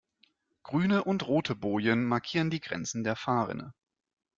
Grüne und rote Bojen markieren die Grenzen der Fahrrinne.